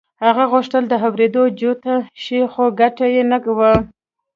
هغه غوښتل د اورېدو جوګه شي خو ګټه يې نه وه.